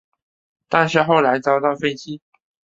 但是后来遭到废弃。